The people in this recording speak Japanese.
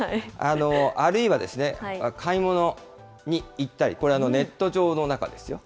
あるいは、買い物に行ったり、これはネット上の中ですよ。